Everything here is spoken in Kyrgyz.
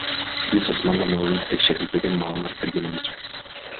Биз асмандан алынып, текшерилбеген маалымат берген эмеспиз.